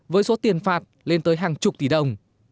với số tiền phạt lên tới hàng chục tỷ đồng